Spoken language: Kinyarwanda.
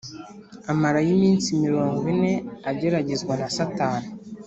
amarayo iminsi mirongo ine ageragezwa na Satani